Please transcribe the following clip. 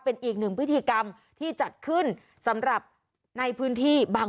เป็นอีกหนึ่งพิธีกรรมที่จัดขึ้นสำหรับในพื้นที่บาง